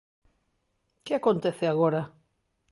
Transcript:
Que acontece agora?